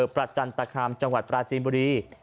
ประจันตคามจังหวัดปราจีนบุรี